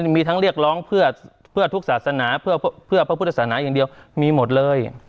มีทั้งเรียกร้องเพื่อทุกศาสนาเพื่อพระพุทธศาสนาอย่างเดียวมีหมดเลย